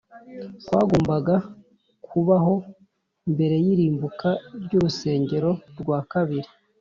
kwagombaga kubaho mbere y irimbuka ry urusengero rwa kabiri